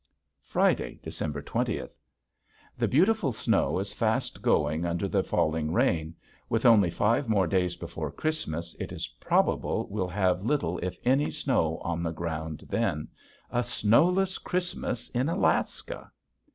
Friday, December twentieth. The beautiful snow is fast going under the falling rain! With only five more days before Christmas it is probable we'll have little if any snow on the ground then. A snowless Christmas in Alaska!